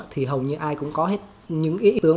thì hầu như ai cũng có hết những ý tưởng